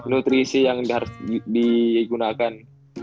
nutrisi yang harus digunakan